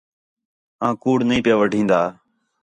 آں کُوڑ نہی پِیا وڈھین٘دا